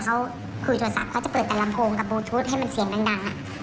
ก็ไม่รู้ว่าฟ้าจะระแวงพอพานหรือเปล่า